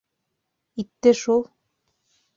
Итте шул!